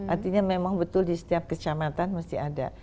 artinya memang betul di setiap kecamatan mesti ada